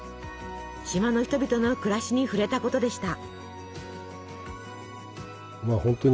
島の人々の暮らしに触れたことでした。